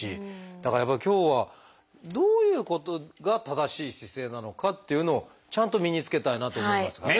だからやっぱ今日はどういうことが正しい姿勢なのかっていうのをちゃんと身につけたいなと思いますがね。